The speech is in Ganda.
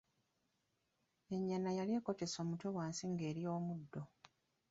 Ennyana yali ekotese omutwe wansi nga'erya omuddo.